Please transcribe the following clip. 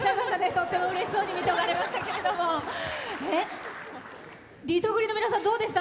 とってもうれしそうに見ておられましたけどリトグリの皆さん、どうでした？